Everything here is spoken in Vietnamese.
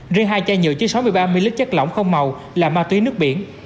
riêng hai chai nhựa chứa sáu mươi ba mililit chất lỏng không màu là ma túy nước biển